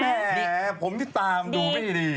แหมผมที่ตามดูไม่ดี